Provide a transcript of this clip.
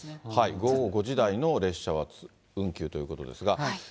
午後５時台の列車は運休ということですが。